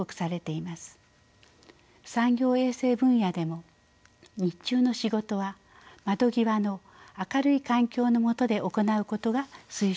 産業衛生分野でも日中の仕事は窓際の明るい環境の下で行うことが推奨されています。